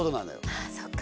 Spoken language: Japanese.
ああそうか。